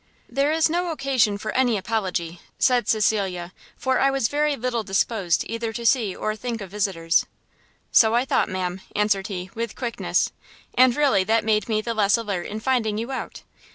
"There is no occasion for any apology," said Cecilia, "for I was very little disposed either to see or think of visitors." "So I thought, ma'am;" answered he, with quickness, "and really that made me the less alert in finding you out.